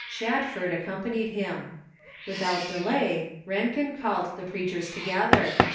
Shadford ac companied him. Without delay, Rankin called the preachers together.